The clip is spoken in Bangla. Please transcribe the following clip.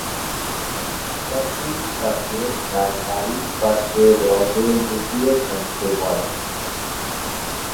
তখন তাকে তার বাড়ির পাশে হ্রদে লুকিয়ে থাকতে বলে।